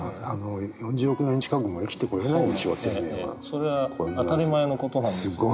それは当たり前の事なんです。